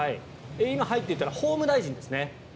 今、入っていったのは法務大臣ですね。